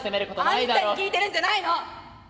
あんたに聞いてるんじゃないの！